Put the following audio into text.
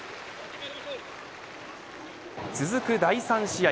続く第３試合。